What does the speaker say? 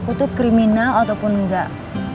tau papi aku tuh kriminal ataupun enggak